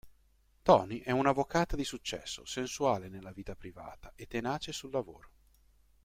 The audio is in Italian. Tony è un'avvocata di successo, sensuale nella vita privata e tenace sul lavoro.